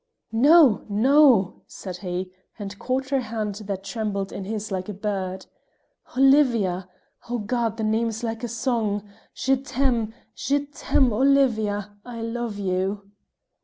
"No! no!" said he, and caught her hand that trembled in his like a bird. "Olivia! oh, God, the name is like a song je t'aime! je t'aime! Olivia, I love you!"